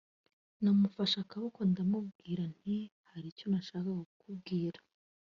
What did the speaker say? namufashe akaboko ndamubwira nti “Hari icyo nashakaga kukubwiraˮ